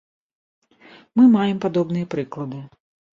Мы маем падобныя прыклады.